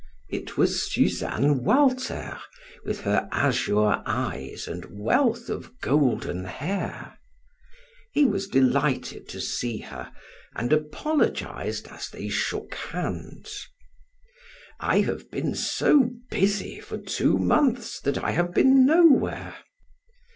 It was Suzanne Walter, with her azure eyes and wealth of golden hair. He was delighted to see her, and apologized as they shook hands. "I have been so busy for two months that I have been nowhere."